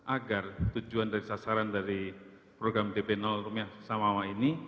agar tujuan dari sasaran dari program dp rupiah samawa ini